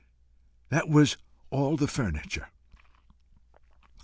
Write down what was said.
That was all the furniture.